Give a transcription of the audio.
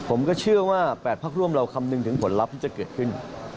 ผมก็เชื่อว่า๘พักร่วมเราคำนึงถึงผลลัพธ์ที่จะเกิดขึ้น